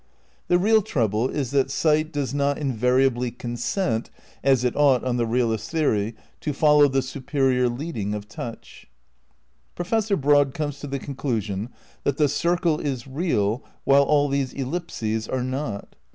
The real trouble is that sight does not invariably consent, as it ought on the realist theory, to foUow the superior leading of touch. Professor Broad comes to the conclusion that the circle is real while all these ellipses are not.